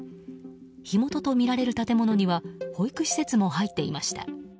火元とみられる建物には保育施設も入っていました。